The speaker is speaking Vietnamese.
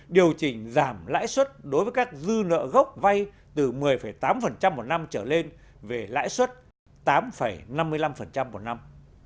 điều chỉnh giảm lãi suất đối với các dư nợ gốc vay từ một mươi tám một năm trở lên về lãi suất tám năm mươi năm một năm